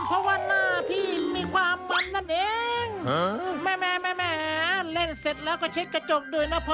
เพราะว่าหน้าพี่มีความมันนั่นเอง